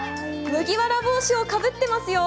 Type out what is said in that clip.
麦わら帽子をかぶっていますよ。